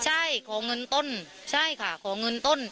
ใช่ขอเงินต้นใช่ค่ะขอเงินต้น